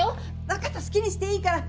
分かった好きにしていいから。